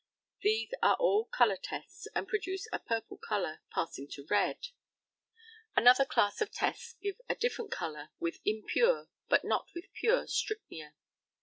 These are all colour tests, and produce a purple colour, passing to red. Another class of tests give a different colour with impure, but not with pure, strychnia.